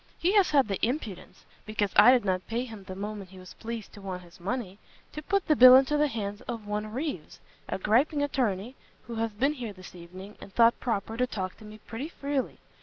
He has had the impudence, because I did not pay him the moment he was pleased to want his money, to put the bill into the hands of one Reeves, a griping attorney, who has been here this evening, and thought proper to talk to me pretty freely.